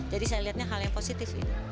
jadi saya lihatnya hal yang positif